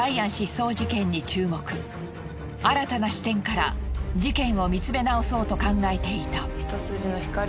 新たな視点から事件を見つめ直そうと考えていた。